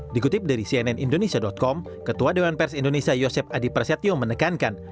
dikutip dari cnn indonesia com ketua dewan pers indonesia yosep adi prasetyo menekankan